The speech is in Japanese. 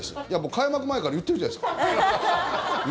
開幕前から言ってるじゃないですか。